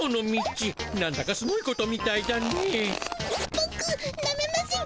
ボクなめません。